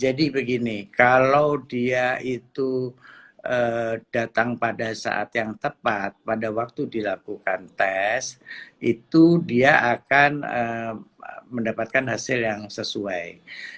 jadi begini kalau dia itu datang pada saat yang tepat pada waktu dilakukan tes itu dia akan mendapatkan hasil yang sesuai